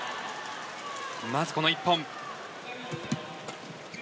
まず、この１本。